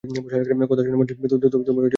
কথা শুনে মনে হচ্ছে তুমি ওকে দোষী ভাবছ।